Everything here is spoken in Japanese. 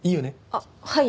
あっはい。